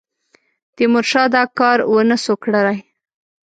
تیمورشاه دا کار ونه سو کړای.